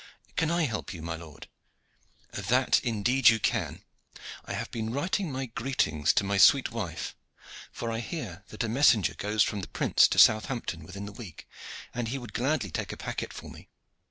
"Can I help you, my lord?" "That indeed you can. I have been writing my greetings to my sweet wife; for I hear that a messenger goes from the prince to Southampton within the week, and he would gladly take a packet for me.